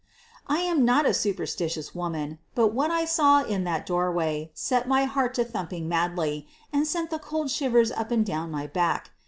I am not a superstitious woman, but what I saw in that doorway set my heart to thumping madly, and sent the cold shivers up and down my back.